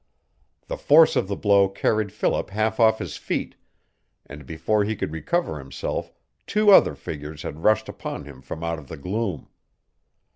The force of the blow carried Philip half off his feet, and before he could recover himself two other figures had rushed upon him from out of the gloom.